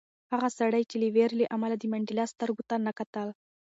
هغه سړي د وېرې له امله د منډېلا سترګو ته نه کتل.